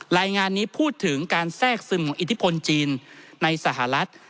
รายงานนี้พูดถึงการแทรกซึมของอิทธิพลจีนในสหรัฐ